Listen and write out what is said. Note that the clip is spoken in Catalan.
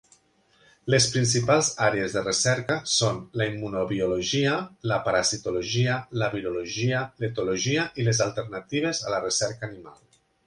Les principals àrees de recerca són la immunobiologia, la parasitologia, la virologia, l'etologia i les alternatives a la recerca animal.